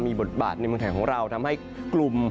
มีบทบาทในเมืองไทยของเราทำให้กลุ่ม